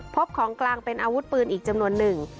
พบของกลางเป็นอาวุธปืนอีกจำนวนหนึ่ง